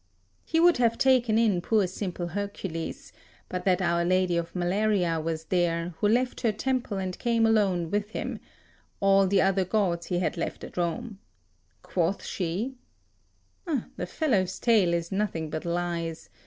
He would have taken in poor simple Hercules, but 6 that Our Lady of Malaria was there, who left her temple and came alone with him: all the other gods he had left at Rome. Quoth she, "The fellow's tale is nothing but lies.